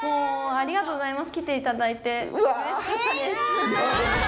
ありがとうございます。